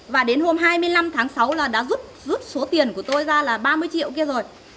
và đến hôm hai mươi năm tháng sáu là đã rút rút số tiền của tôi ra là ba mươi triệu kia rồi